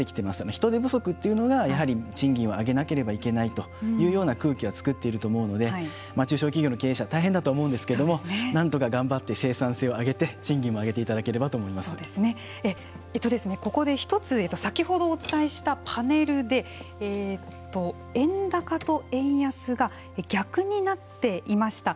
人手不足というのがやはり賃金を上げなければいけないというような空気を作っていると思うので中小企業の経営者は大変だと思うんですけれどもなんとか頑張って生産性を上げて賃金も上げていただければとここで１つ先ほどお伝えしたパネルで円高と円安が逆になっていました。